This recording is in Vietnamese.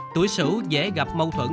tuổi sử dễ gặp mâu thuẫn